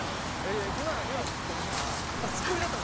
いや今のはツッコミね。